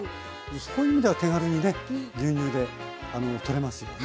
そういう意味では手軽にね牛乳で取れますよね。